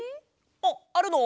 あっあるの？